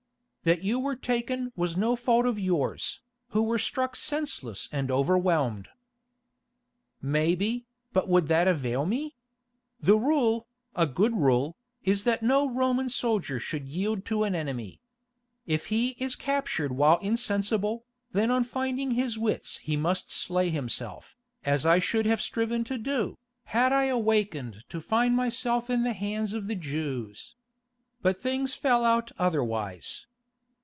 "That you were taken was no fault of yours, who were struck senseless and overwhelmed." "Maybe, but would that avail me? The rule, a good rule, is that no Roman soldier should yield to an enemy. If he is captured while insensible, then on finding his wits he must slay himself, as I should have striven to do, had I awakened to find myself in the hands of the Jews. But things fell out otherwise.